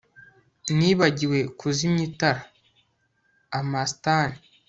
Nibagiwe kuzimya itara Amastan